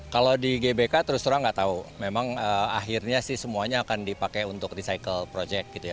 kalau di gbk terus terang nggak tahu memang akhirnya sih semuanya akan dipakai untuk recycle project gitu ya